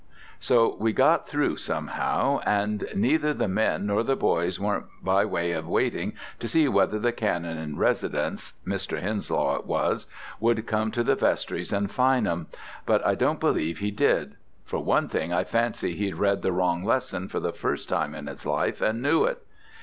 "So we got through somehow, and neither the men nor the boys weren't by way of waiting to see whether the Canon in residence Mr. Henslow it was would come to the vestries and fine 'em, but I don't believe he did: for one thing I fancy he'd read the wrong lesson for the first time in his life, and knew it.